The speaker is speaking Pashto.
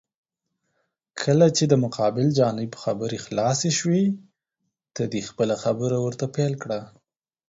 کله چې د مقابل جانب خبرې خلاسې شوې، ته دې خپله خبره ورته پېل کړه.